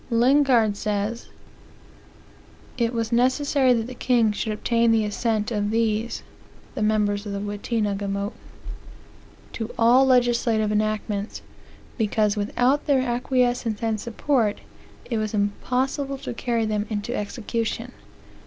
Lingard says: "It was necessary that the king should obtain the assent of these (the members o the Witena gemotes) to all legislative enactments; because, without their acquiescence and support, it was impossible to carry them into execution.